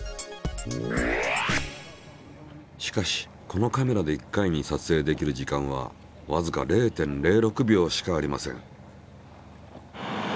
しかしこのカメラで１回にさつえいできる時間はわずか０．０６秒しかありません。